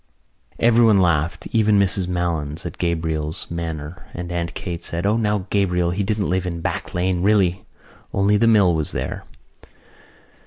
Everyone laughed, even Mrs Malins, at Gabriel's manner and Aunt Kate said: "O now, Gabriel, he didn't live in Back Lane, really. Only the mill was there."